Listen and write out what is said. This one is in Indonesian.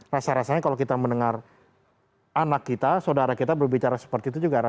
rasa rasanya kalau kita mendengar anak kita saudara kita berbicara seperti itu juga rasanya